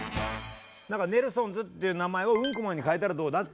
何かネルソンズっていう名前をうんこマンに変えたらどうだって。